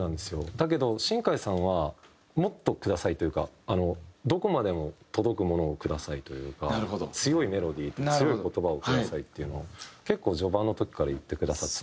だけど新海さんは「もっとください」というか「どこまでも届くものをください」というか「強いメロディーと強い言葉をください」っていうのを結構序盤の時から言ってくださって。